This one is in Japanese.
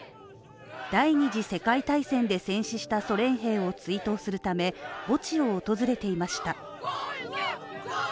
第二次世界大戦で戦死したソ連兵を追悼するため墓地を訪れていました。